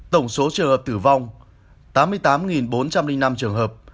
tổng số trường hợp tử vong tám mươi tám bốn trăm linh năm trường hợp